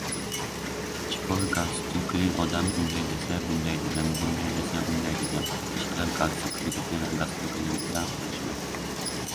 Chipor galstukli odam unday desa, bunday dedim, bunday desa, unday dedim. Ishqilib, galstuklidan qolishmadim!